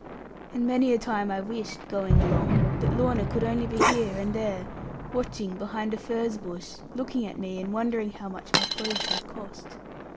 And many a time I wished, going along, that Lorna could only be here and there, watching behind a furze bush, looking at me, and wondering how much my clothes had cost.